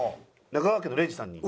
中川家の礼二さんに。